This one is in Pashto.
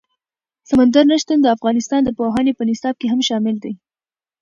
سمندر نه شتون د افغانستان د پوهنې په نصاب کې هم شامل دي.